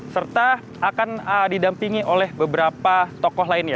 serta akan didampingi oleh beberapa tokoh lainnya